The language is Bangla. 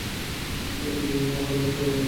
একদিন এই মহল্লাও আসবে হাঁটুতে।